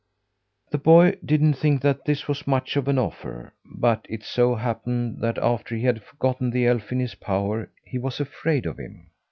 The boy didn't think that this was much of an offer; but it so happened that after he had gotten the elf in his power, he was afraid of him.